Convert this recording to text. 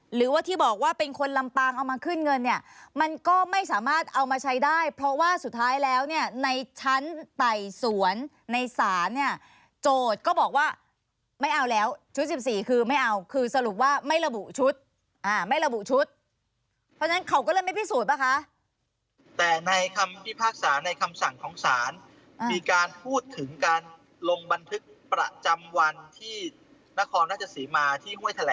หรือว่าที่บอกว่าเป็นคนลำปางเอามาขึ้นเงินเนี่ยมันก็ไม่สามารถเอามาใช้ได้เพราะว่าสุดท้ายแล้วเนี่ยในชั้นไต่สวนในศาลเนี่ยโจทย์ก็บอกว่าไม่เอาแล้วชุด๑๔คือไม่เอาคือสรุปว่าไม่ระบุชุดอ่าไม่ระบุชุดเพราะฉะนั้นเขาก็เลยไม่พิสูจน์ป่ะคะแต่ในคำพิพากษาในคำสั่งของศาลมีการพูดถึงการลงบันทึกประจำวันที่นครราชสีมาที่ห้วยแถลง